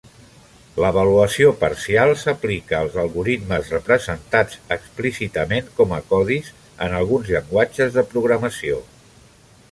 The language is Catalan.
L'avaluació parcial s'aplica als algoritmes representats explícitament com a codis en alguns llenguatges de programació.